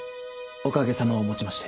おかげさまをもちまして。